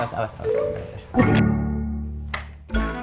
eh aduh sakit